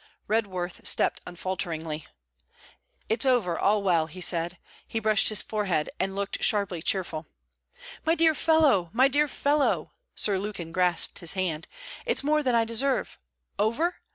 Redworth stepped unfalteringly. 'It's over, all well,' he said. He brushed his forehead and looked sharply cheerful. 'My dear fellow! my dear fellow!' Sir Lukin grasped his hand. 'It's more than I deserve. Over?